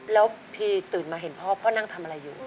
แล้วพี่ตื่นมาเห็นพ่อพ่อนั่งทำอะไรอยู่